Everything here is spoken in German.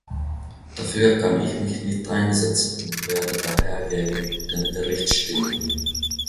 Dafür kann ich mich nicht einsetzen und werde daher gegen den Bericht stimmen.